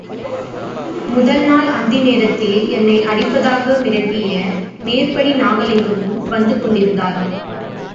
முதல் நாள் அந்தி நேரத்தில் என்னை அடிப்பதாக மிரட்டிய மேற்படி நாகலிங்கமும் வந்து கொண்டு இருந்தார்.